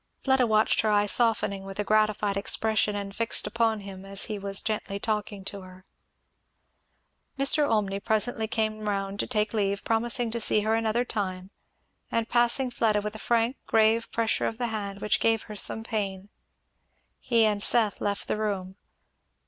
Fleda watched her eye softening with a gratified expression and fixed upon him as he was gently talking to her. Mr. Olmney presently came round to take leave, promising to see her another time, and passing Fleda with a frank grave pressure of the hand which gave her some pain. He and Seth left the room.